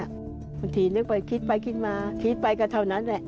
บางทีนึกไปคิดไปคิดมาคิดไปก็เท่านั้นแหละ